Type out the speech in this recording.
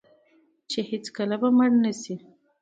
چې هیڅکله به مړ نشي.